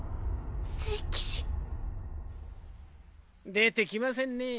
出てきませんね。